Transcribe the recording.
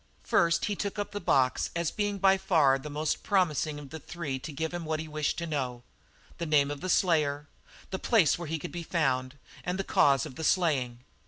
First he took up the box, as being by far the most promising of the three to give him what he wished to know; the name of the slayer, the place where he could be found, and the cause of the slaying.